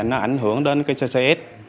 nó ảnh hưởng đến cái xe xe s